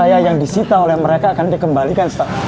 harta saya yang disita oleh mereka akan dikembalikan star